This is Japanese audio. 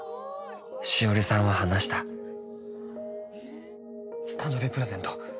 しおりさんは話した誕生日プレゼント。